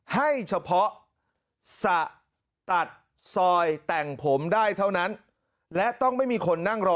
ให้เฉพาะสระตัดซอยแต่งผมได้เท่านั้นและต้องไม่มีคนนั่งรอ